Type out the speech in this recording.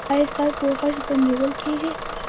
ایا ستاسو غږ به نیول کیږي؟